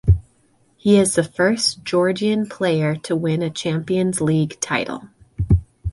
He is the first Georgian player to win a Champions League title.